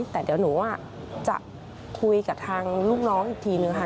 แต่เดี๋ยวหนูจะคุยกับทางลูกน้องอีกทีนึงค่ะ